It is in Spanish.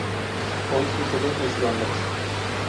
Hoy su sede es Londres.